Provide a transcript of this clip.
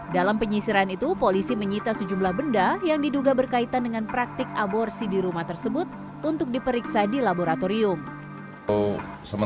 dalam penyisiran itu polisi menyita sejumlah benda yang diduga berkaitan dengan praktik aborsi di rumah tersebut untuk diperiksa di laboratorium